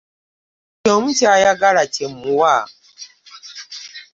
Buli omu ky'ayagala kye mmuwa.